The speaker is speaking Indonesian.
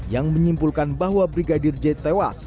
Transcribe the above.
yang menyimpulkan bahwa brigadir j tewas